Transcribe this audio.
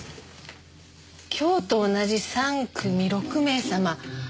今日と同じ３組６名様。